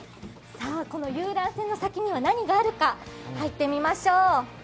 この遊覧船の先には何があるか入ってみましょう。